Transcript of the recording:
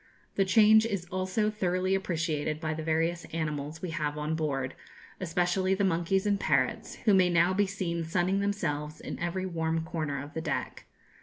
The change is also thoroughly appreciated by the various animals we have on board, especially the monkeys and parrots, who may now be seen sunning themselves in every warm corner of the deck.